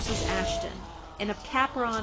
Ashton and of Capron v.